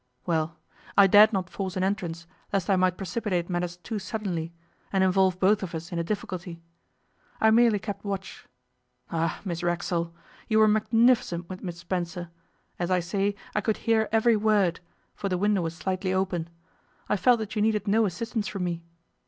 Well, I dared not force an entrance, lest I might precipitate matters too suddenly, and involve both of us in a difficulty. I merely kept watch. Ah, Miss Racksole! you were magnificent with Miss Spencer; as I say, I could hear every word, for the window was slightly open. I felt that you needed no assistance from me.